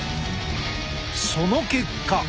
その結果。